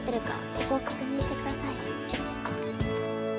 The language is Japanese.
ここを確認してください。